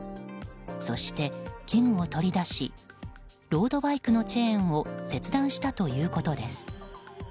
そして、器具を取り出しロードバイクのチェーンを切断したということです。